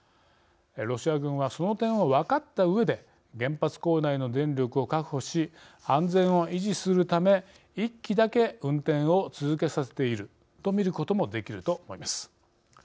ロシア軍はその点を分かったうえで原発構内の電力を確保し安全を維持するため１基だけ運転を続けさせているとみることもできると思います。